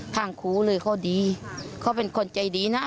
ทางครูเลยเขาดีเขาเป็นคนใจดีนะ